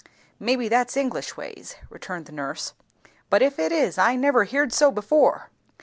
"Maybe that's English ways," returned the nurse; "but if it is, I never heerd so before."